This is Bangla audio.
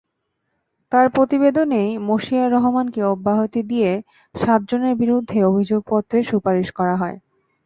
তাঁর প্রতিবেদনেই মশিয়ার রহমানকে অব্যাহতি দিয়ে সাতজনের বিরুদ্ধে অভিযোগপত্রের সুপারিশ করা হয়।